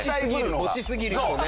持ちすぎる人ね。